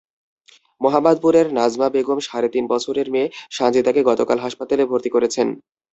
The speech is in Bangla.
মোহাম্মদপুরের নাজমা বেগম সাড়ে তিন বছরের মেয়ে সানজিদাকে গতকাল হাসপাতালে ভর্তি করেছেন।